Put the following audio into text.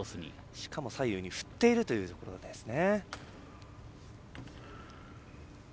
しかも左右に振っているというところですね。